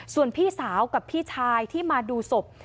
ส่วนพี่สาวกับพี่ชายที่มาดูศพ